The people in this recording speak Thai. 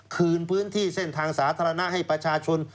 คืนพื้นที่เส้นทางสาธารณะให้ประชาชน